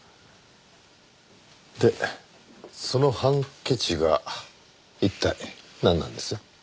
でその『手巾』が一体なんなんです？